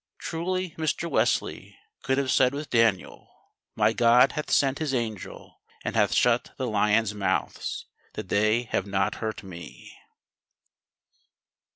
Truly Mr. Wesley could have said with Daniel: "My God hath sent His angel, and hath shut the lions' mouths, that they have not hurt me."